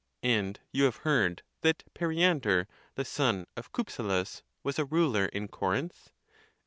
And you have heard that Periander, the son of Cyp selus, was a ruler in Corinth.